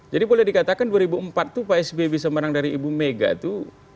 jadi boleh dikatakan dua ribu empat itu pak sby bisa menang dari ibu mega itu